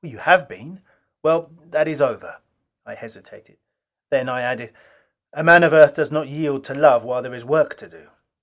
"You have been." "Well, that is over." I hesitated. Then I added, "A man of Earth does not yield to love while there is work to do.